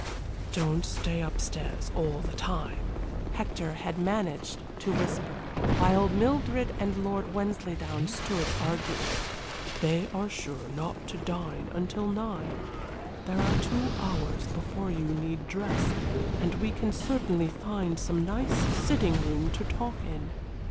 "Don't stay up stairs all the time," Hector had managed to whisper, while Mildred and Lord Wensleydown stood arguing; "they are sure not to dine till nine; there are two hours before you need dress, and we can certainly find some nice sitting room to talk in."